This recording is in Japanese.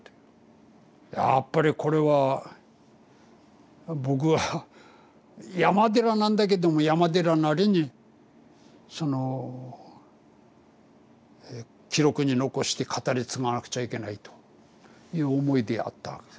やっぱりこれは僕は山寺なんだけども山寺なりにその記録に残して語り継がなくちゃいけないという思いでやったわけ。